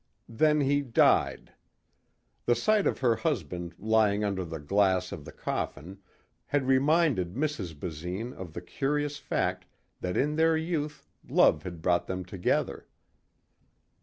Then he died. The sight of her husband lying under the glass of the coffin had reminded Mrs. Basine of the curious fact that in their youth love had brought them together.